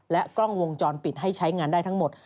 กล้องวงจรปิดให้ใช้งานได้ทั้งหมด